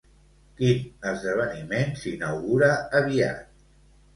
Quin esdeveniment s'inaugura aviat?